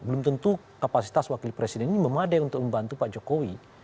belum tentu kapasitas wakil presiden ini memadai untuk membantu pak jokowi